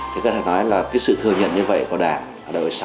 thì có thể nói là cái sự thừa nhận như vậy của đàm ở đội sáu